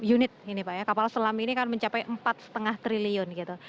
unit ini pak ya kapal selam ini kan mencapai empat lima triliun gitu